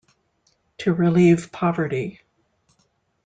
To relieve poverty.